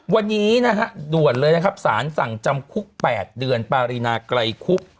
วันนี้นะฮะด่วนเลยนะครับสารสั่งจำคุก๘เดือนปารีนาไกลคุก